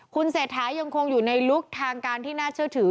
คุณเศรษฐายังคงอยู่ในลุคทางการที่น่าเชื่อถือ